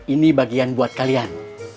ini bagian buat kalian